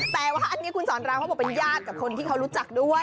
แบบเป็นคนที่เขารู้จักด้วย